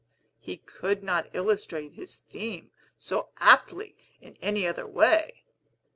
He could not illustrate his theme so aptly in any other way."